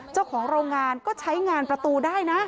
เจ้าของโรงงานก็ใช้งานประตูได้นะ